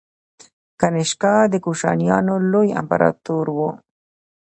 کنیشکا د کوشانیانو لوی امپراتور و